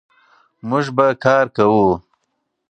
موږ به کار کوو.